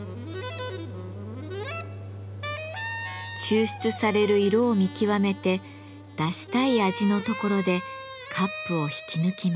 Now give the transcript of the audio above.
抽出される色を見極めて出したい味のところでカップを引き抜きます。